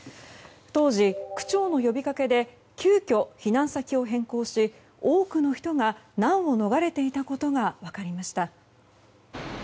当時、区長の呼びかけで急きょ避難先を変更し多くの人が難を逃れていたことが分かりました。